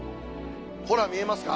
ほら見えますか？